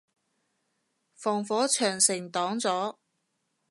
防火長城擋咗